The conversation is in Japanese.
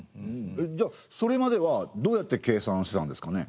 じゃあそれまではどうやって計算してたんですかね？